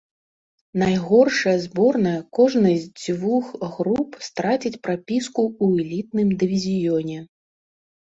Найгоршая зборная кожнай з дзвюх груп страціць прапіску ў элітным дывізіёне.